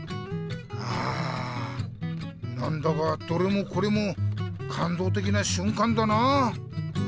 あぁなんだかどれもこれもかんどうてきなしゅんかんだなあ！